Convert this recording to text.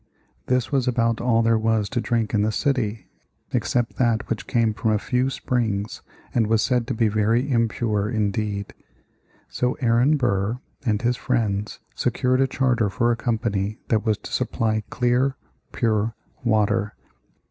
This was about all there was to drink in the city, except that which came from a few springs and was said to be very impure indeed. So Aaron Burr and his friends secured a charter for a company that was to supply clear, pure water.